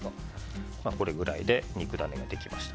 これくらいで肉ダネができました。